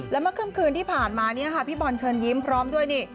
และเมื่อค่ำคืนที่ผ่านมาเนี่ยค่ะพี่บอลเชิญยิ้มพร้อมด้วยนี่